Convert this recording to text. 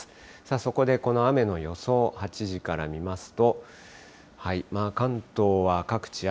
そこでこの雨の予想、８時から見ますと、関東は各地雨。